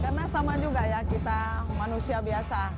karena sama juga ya kita manusia biasa